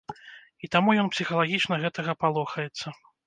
І таму ён псіхалагічна гэтага палохаецца.